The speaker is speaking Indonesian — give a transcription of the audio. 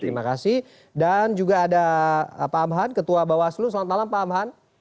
terima kasih dan juga ada pak amhan ketua bawaslu selamat malam pak amhan